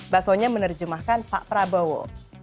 basonya menerjemahkan pak prabowo